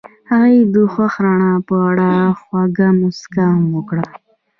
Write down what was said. هغې د خوښ رڼا په اړه خوږه موسکا هم وکړه.